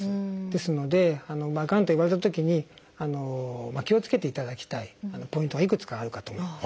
ですのでがんと言われたときに気をつけていただきたいポイントがいくつかあるかと思います。